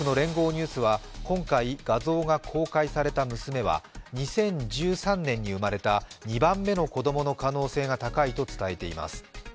ニュースは今回画像が公開された娘は２０１３年に生まれた２番目の子供の可能性が高いと伝えています。